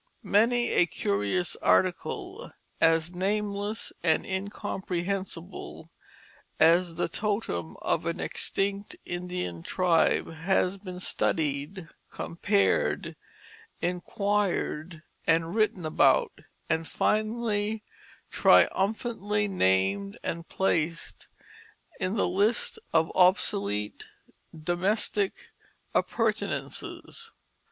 Many a curious article as nameless and incomprehensible as the totem of an extinct Indian tribe has been studied, compared, inquired and written about, and finally triumphantly named and placed in the list of obsolete domestic appurtenances.